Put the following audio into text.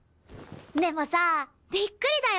でもさびっくりだよ！